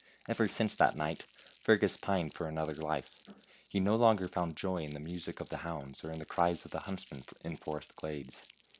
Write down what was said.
Ever since that night Fergus pined for another life. He no longer found joy in the 76 THE HUNTSMAN'S SON 77 music of the hounds or in the cries of the hunts men in forest glades.